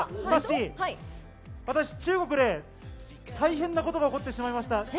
さっしー、私、中国で大変なことが起こってしまいました。